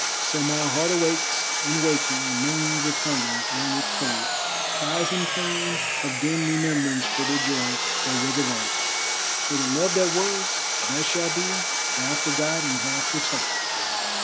So my heart awakes, and waking, moans with hunger and with cold, Cries in pain of dim remembrance for the joy that was of old; For the love that was, that shall be, half forgot and half foretold.